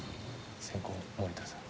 先攻・森田さん。